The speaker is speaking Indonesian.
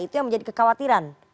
itu yang menjadi kekhawatiran